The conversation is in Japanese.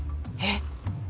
えっ！？